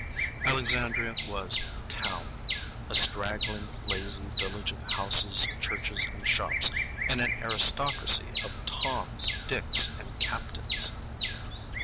Alexandria was "town,"—a straggling, lazy village of houses, churches, and shops, and an aristocracy of Toms, Dicks, and Captains.